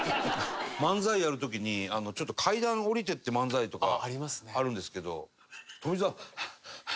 漫才やる時にちょっと階段下りていって漫才とかあるんですけど。